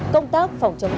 công tác phòng chống dịch